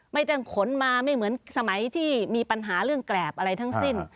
ไม่ต้องขนมาไม่เหมือนสมัยที่มีปัญหาเรื่องแกรบอะไรทั้งสิ้น